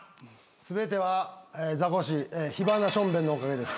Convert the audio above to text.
全てはザコシ火花ションベンのおかげです。